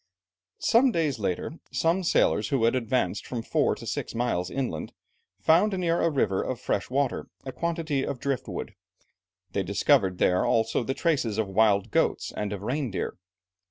Some days later, some sailors who had advanced from four to six miles inland, found near a river of fresh water, a quantity of drift wood; they discovered there also the traces of wild goats and of reindeer.